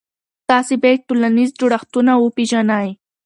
تاسې باید ټولنیز جوړښتونه وپېژنئ.